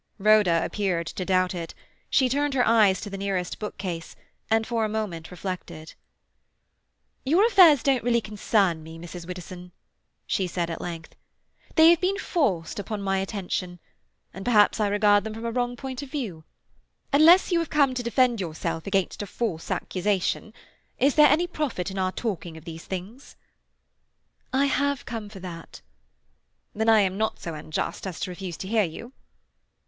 Rhoda appeared to doubt it. She turned her eyes to the nearest bookcase, and for a moment reflected. "Your affairs don't really concern me, Mrs. Widdowson," she said at length. "They have been forced upon my attention, and perhaps I regard them from a wrong point of view. Unless you have come to defend yourself against a false accusation, is there any profit in our talking of these things?" "I have come for that." "Then I am not so unjust as to refuse to hear you."